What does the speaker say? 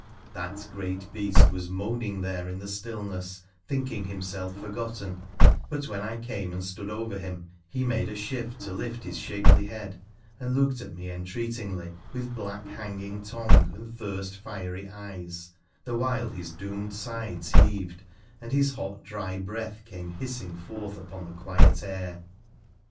That great beast was moaning there, in the stillness, thinking himself forgotten, but when I came and stood over him he made a shift to lift his shapely head, and looked at me entreatingly, with black hanging tongue and thirst fiery eyes, the while his doomed sides heaved and his hot dry breath came hissing forth upon the quiet air.